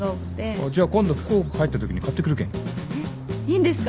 あっじゃあ今度福岡帰ったときに買ってくるけん。えっいいんですか？